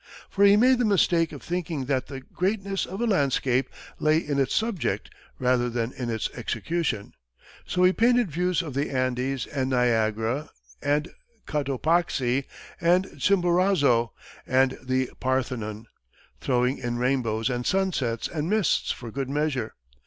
For he made the mistake of thinking that the greatness of a landscape lay in its subject rather than in its execution; so he painted views of the Andes, and Niagara, and Cotopaxi, and Chimborazo, and the Parthenon, throwing in rainbows and sunsets and mists for good measure.